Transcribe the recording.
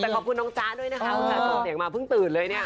แต่ขอบคุณน้องจ๊ะเลยนะครับเสียงมาเผื่อเหตุเลยเนี่ย